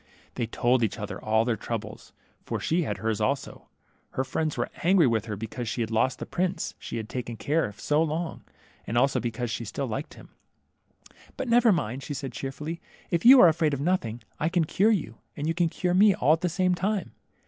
They told each other all their troubles, for she had hers also. Her friends were angry with her 2 18 THE MERMAID. 'I^ecause she had lost the prince she had taken care of so long, and also because she still liked him. But never mind," said she cheerfully, if you are afraid of nothing, I can cure you, and you can cure me, all at the same time.